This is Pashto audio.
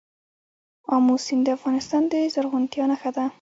آمو سیند د افغانستان د زرغونتیا نښه ده.